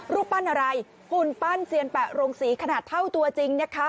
รูปปั้นอะไรหุ่นปั้นเซียนแปะโรงศรีขนาดเท่าตัวจริงนะคะ